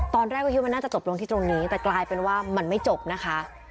ตอนแรกก็คิดว่าน่าจะจบลงที่ตรงนี้แต่กลายเป็นว่ามันไม่จบนะคะ